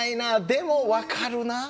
でも分かるな」。